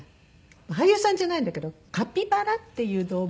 俳優さんじゃないんだけどカピバラっていう動物。